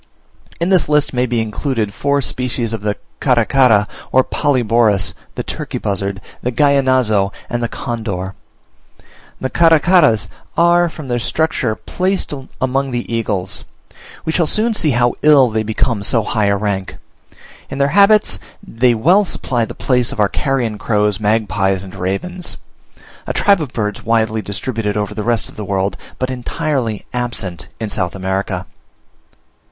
In this list may be included four species of the Caracara or Polyborus, the Turkey buzzard, the Gallinazo, and the Condor. The Caracaras are, from their structure, placed among the eagles: we shall soon see how ill they become so high a rank. In their habits they well supply the place of our carrion crows, magpies, and ravens; a tribe of birds widely distributed over the rest of the world, but entirely absent in South America.